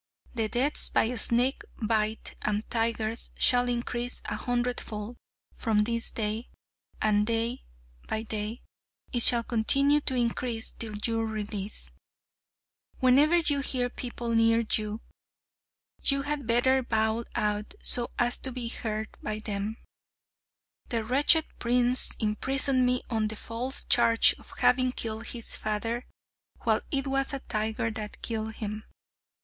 The deaths by snake bite and tigers shall increase a hundredfold from this day, and day by day it shall continue to increase till your release. Whenever you hear people near you, you had better bawl out so as to be heard by them: 'The wretched prince imprisoned me on the false charge of having killed his father, while it was a tiger that killed him.